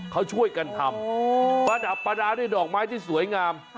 เขาช่วยกันทำประดับประดาษด้วยดอกไม้ที่สวยงาม